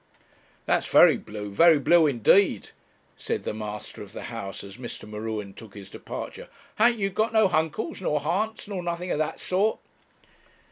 'That's very blue, very blue indeed,' said the master of the house, as Mr. M'Ruen took his departure 'ha'n't you got no huncles nor hants, nor nothin' of that sort?'